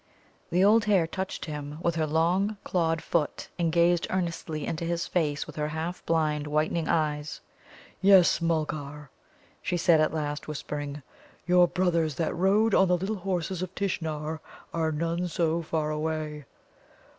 The old hare touched him with her long clawed foot, and gazed earnestly into his face with her half blind, whitening eyes. "Yes, Mulgar," she said at last, whispering, "your brothers that rode on the little Horses of Tishnar are none so far away.